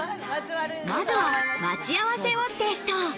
まずは待ち合わせをテスト。